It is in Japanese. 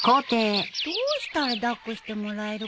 どうしたら抱っこしてもらえるかな。